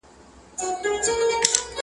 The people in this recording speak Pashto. د يو سري مار خوراك يوه مړۍ وه!.